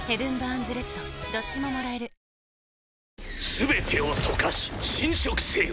全てを溶かし浸蝕せよ！